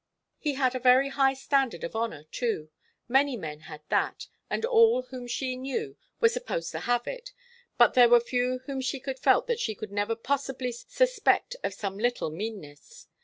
He had a very high standard of honour, too. Many men had that, and all whom she knew were supposed to have it, but there were few whom she felt that she could never possibly suspect of some little meanness.